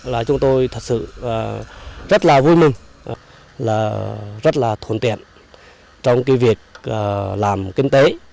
là chúng tôi thật sự rất là vui mừng là rất là thuận tiện trong cái việc làm kinh tế